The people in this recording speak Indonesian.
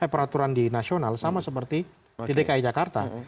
peraturan di nasional sama seperti di dki jakarta